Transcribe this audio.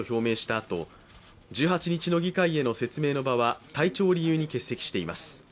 あと１８日の議会への説明の場は体調を理由に欠席しています。